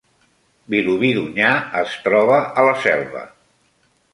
Vilobí d’Onyar es troba a la Selva